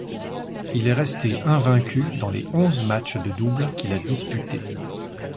Il est resté invaincu dans les onze matchs de double qu'il a disputés.